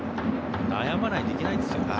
悩まないといけないんですよ。